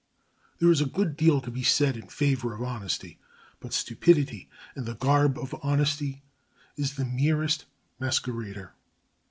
There is a good deal to be said in favour of honesty, but stupidity in the garb of honesty is the merest masquerader.